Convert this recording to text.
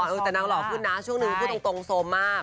เออแต่นางหล่อขึ้นนะช่วงนึงพูดตรงโซมมาก